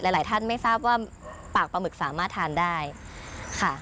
หลายท่านไม่ทราบว่าปากปลาหมึกสามารถทานได้ค่ะ